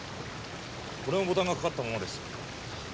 これもボタンがかかったままです。